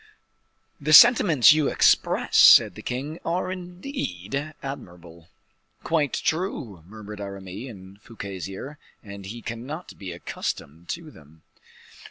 "The sentiments you express," said the king, "are indeed admirable." "Quite true," murmured Aramis in Fouquet's ear, "and he cannot be accustomed to them."